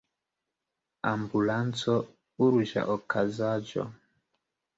Ambulanco: Urĝa okazaĵo.